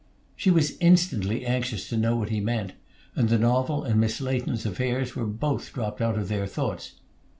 She was instantly anxious to know what he meant, and the novel and Miss Leighton's affair were both dropped out of their thoughts.